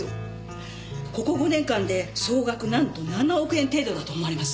ここ５年間で総額なんと７億円程度だと思われます。